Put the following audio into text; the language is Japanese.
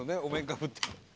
お面かぶって」